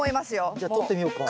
じゃあとってみようか。